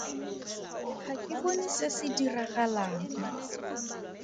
Ga ke bone se se diragalang.